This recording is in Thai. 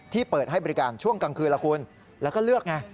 ที่เปิดให้บริการช่วงกลางคืนแล้วก็เลือก